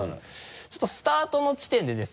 ちょっとスタートの地点でですね